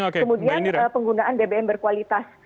kemudian penggunaan bbm berkualitas